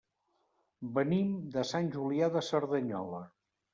Venim de Sant Julià de Cerdanyola.